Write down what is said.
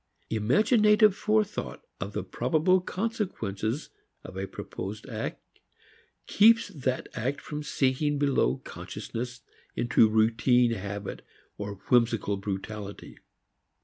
Imaginative forethought of the probable consequences of a proposed act keeps that act from sinking below consciousness into routine habit or whimsical brutality.